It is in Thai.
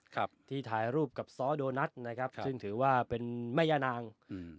ครับที่ถ่ายรูปกับซ้อโดนัทนะครับซึ่งถือว่าเป็นแม่ย่านางอืม